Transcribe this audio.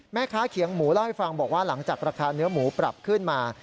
แม่ค้าเขียงหมูเล่าให้ฟังบอกว่าหลังจากราคาเนื้อหมูปรับขึ้นมา